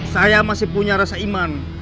saya masih punya rasa iman